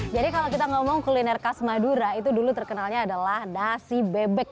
jadi kalau kita ngomong kuliner khas madura itu dulu terkenalnya adalah nasi bebek